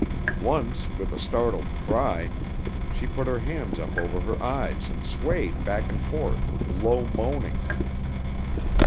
Once, with a startled cry, she put her hands up over her eyes and swayed back and forth with low moaning.